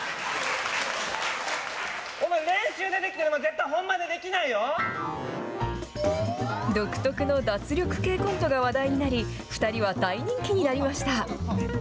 お前、練習でできないと、独特の脱力系コントが話題になり、２人は大人気になりました。